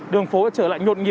đường phố trở lại nhột nghỉ